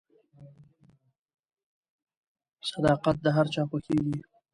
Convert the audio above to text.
• صداقت د هر چا خوښیږي.